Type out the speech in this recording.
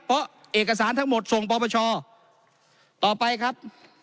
เพราะเอกสารทั้งหมดส่งปปชต่อไปครับ